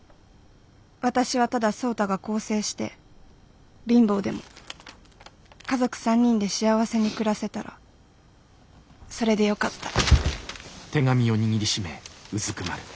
私はただ創太が更生して貧乏でも家族３人で幸せに暮らせたらそれでよかった」。